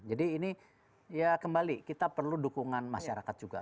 jadi ini ya kembali kita perlu dukungan masyarakat juga